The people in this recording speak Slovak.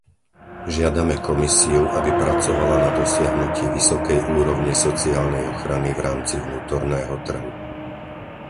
Žiadame Komisiu, aby pracovala na dosiahnutí vysokej úrovne sociálnej ochrany v rámci vnútorného trhu.